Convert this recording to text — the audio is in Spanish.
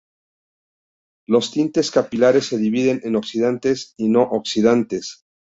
Los tintes capilares se dividen en oxidantes y no oxidantes.